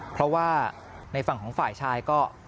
เพราะว่าในฝั่งของฝ่ายชายก็